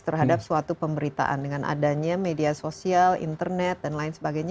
terhadap suatu pemberitaan dengan adanya media sosial internet dan lain sebagainya